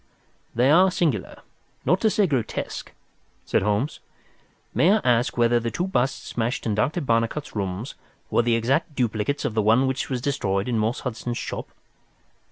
"They are singular, not to say grotesque," said Holmes. "May I ask whether the two busts smashed in Dr. Barnicot's rooms were the exact duplicates of the one which was destroyed in Morse Hudson's shop?"